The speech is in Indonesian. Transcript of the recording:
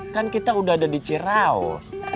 kan kita udah ada di ciraus